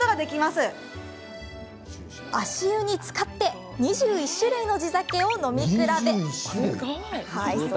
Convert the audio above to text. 足湯につかって２１種類の地酒を飲み比べ。